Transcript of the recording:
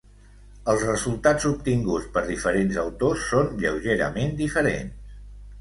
Els resultats obtinguts per diferents autors són lleugerament diferents.